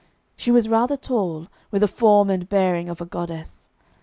She was rather tall, with a form and bearing of a goddess.